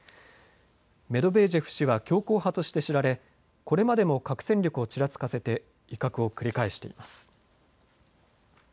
メドベージェフ氏は強硬派として知られ、これまでも核戦力をちらつかせて威嚇を繰り返しています。